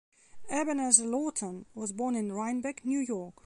Ebenezer Laughton was born in Rhinebeck, New York.